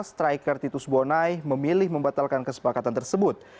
striker titus bonai memilih membatalkan kesepakatan tersebut